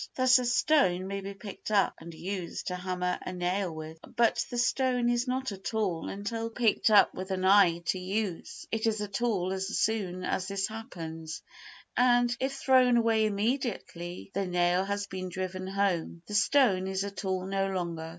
Thus a stone may be picked up and used to hammer a nail with, but the stone is not a tool until picked up with an eye to use; it is a tool as soon as this happens, and, if thrown away immediately the nail has been driven home, the stone is a tool no longer.